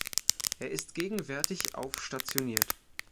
Er ist gegenwärtig auf stationiert.